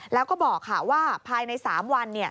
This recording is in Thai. แล้วก็บอกว่าภายใน๓วัน